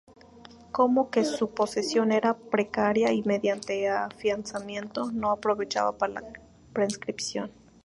Como que su posesión era precaria y mediante afianzamiento, no aprovechaba para la prescripción.